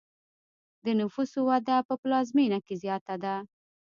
د نفوسو وده په پلازمینه کې زیاته ده.